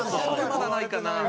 それまだないかな。